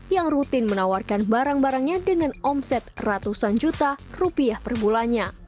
yang rutin menawarkan barang barangnya dengan omset ratusan juta rupiah per bulannya